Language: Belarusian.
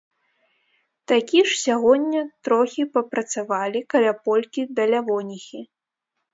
Такі ж сягоння трохі папрацавалі каля полькі да лявоніхі.